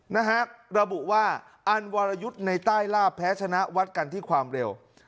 นะฮะระบุว่าอันวรยุทธ์ในใต้ลาบแพ้ชนะวัดกันที่ความเร็ว